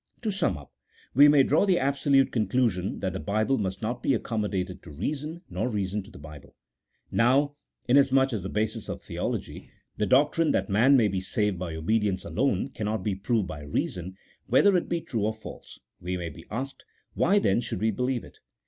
To sum up, we may draw the absolute conclusion that the Bible must not be accommodated to reason, nor reason to the Bible. Now, inasmuch as the basis of theology — the doctrine that man may be saved by obedience alone — cannot be proved by reason whether it be true or false, we may be asked, Why, then, should we believe it?